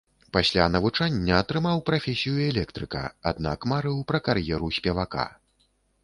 Пасля навучання атрымаў прафесію электрыка, аднак марыў пра кар'еру спевака.